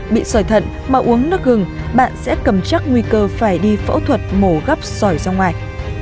bị sỏi thận mà uống nước gừng bạn sẽ cầm chắc nguy cơ phải đi phẫu thuật mổ gấp sỏi ra ngoài